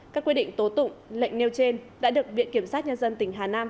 các quyết định tố tụng lệnh nêu trên đã được viện kiểm sát nhân dân tỉnh hà nam